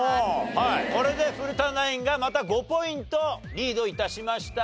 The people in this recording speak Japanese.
はいこれで古田ナインがまた５ポイントリード致しました。